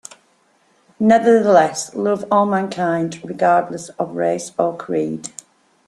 Nevertheless, love all mankind regardless of race or creed.